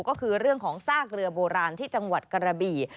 ก็คือเรื่องของซากเรือโบราณที่จังหวัดกระบี่